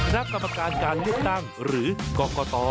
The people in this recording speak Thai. นักกรรมการการเลือกตั้งหรือกรกต